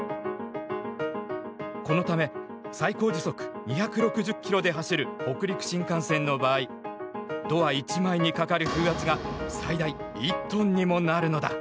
このため最高時速２６０キロで走る北陸新幹線の場合ドア１枚にかかる風圧が最大１ｔにもなるのだ。